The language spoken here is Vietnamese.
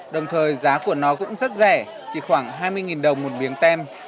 đồng thời giá của nó cũng rất rẻ chỉ khoảng hai mươi đồng một miếng tem